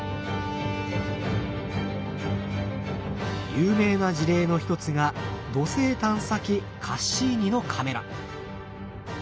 有名な事例の一つが土星探査機カッシーニのカメラ。